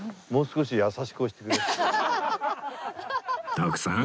徳さん